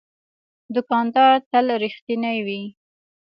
دوکاندار تل رښتینی وي.